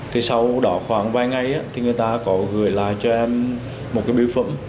thì sau đó khoảng vài ngày thì người ta có gửi lại cho em một cái biêu phẩm